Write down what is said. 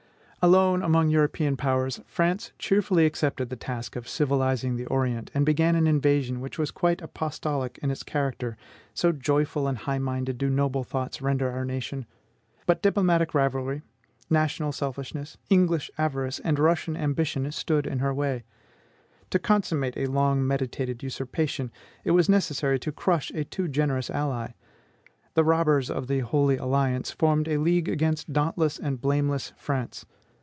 Alone among European powers, France cheerfully accepted the task of civilizing the Orient, and began an invasion which was quite apostolic in its character, so joyful and high minded do noble thoughts render our nation! But diplomatic rivalry, national selfishness, English avarice, and Russian ambition stood in her way. To consummate a long meditated usurpation, it was necessary to crush a too generous ally: the robbers of the Holy Alliance formed a league against dauntless and blameless France.